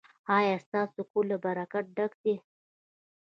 ایا ستاسو کور له برکت ډک دی؟